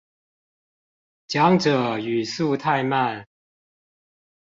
講者語速太慢